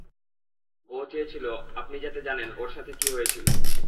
ও চেয়েছিল আপনি যাতে জানেন ওর সাথে কী হয়েছিল।